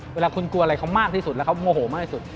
เวลาคุณกลัวอะไรเขามากที่สุดแล้วเขาโมโหมากที่สุด